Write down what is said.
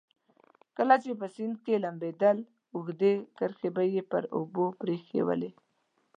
کله چې په سیند کې لمبېدل اوږدې کرښې به یې پر اوبو پرېښوولې.